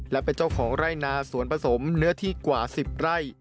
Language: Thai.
และเป็นเจ้าของไร่นาสวนผสมเนื้อที่กว่า๑๐ไร่